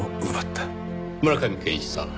村上健一さん